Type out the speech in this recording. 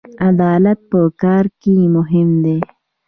عدالت په کار کې مهم دی